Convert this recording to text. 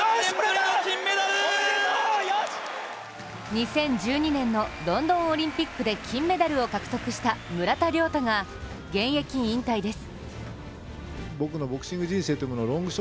２０１２年のロンドンオリンピックで金メダルを獲得した村田諒太が現役引退です。